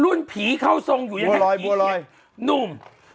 ลุ้นผีเข้าทรงอยู่อย่างนั้นที่นี่หนุ่มบัวรอย